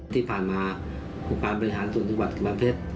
ที่ผ่านมาขุมพลาดบริหารส่วนธุบัตรกำแพงเพชร